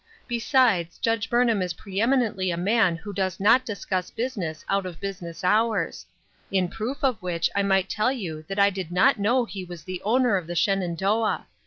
Besides, Judge Burnham is pre eminently a man who does not discuss business out of business hours ; in proof of which I might tell you that I did not know he was the owner of the Shenandoah.